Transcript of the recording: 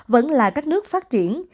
vẫn là các nước phát triển